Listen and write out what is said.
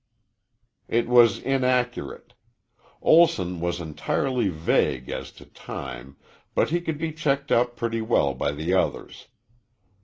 It was inaccurate. Olson was entirely vague as to time, but he could be checked up pretty well by the others.